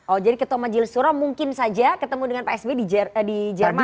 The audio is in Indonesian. oh jadi ketua majelis suro mungkin saja ketemu dengan pak sb di jerman